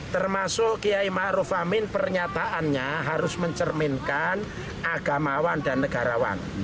termasuk kiai ma'ruf amin pernyataannya harus mencerminkan agamawan dan negarawan